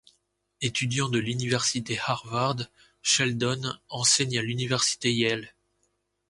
Étudiant de l'université Harvard, Sheldon enseigne à l'université Yale.